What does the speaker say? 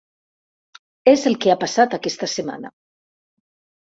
És el que ha passat aquesta setmana.